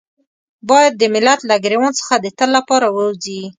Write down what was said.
بايد د ملت له ګرېوان څخه د تل لپاره ووځي.